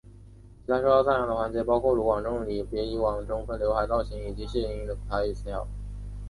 其他受到赞扬的环节包括卢广仲有别以往的中分浏海造型以及谢盈萱的台语口条。